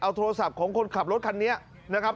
เอาโทรศัพท์ของคนขับรถคันนี้นะครับ